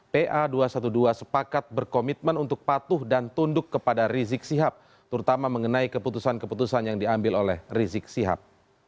pa dua ratus dua belas sepakat berkomitmen untuk patuh dan tunduk kepada rizik sihab terutama mengenai keputusan keputusan yang diambil oleh rizik sihab